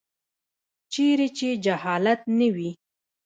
چیرې چې جهالت نه وي.